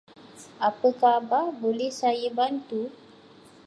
Apa khabar boleh saya bantu?